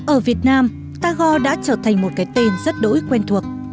ở việt nam tagore đã trở thành một cái tên rất đỗi quen thuộc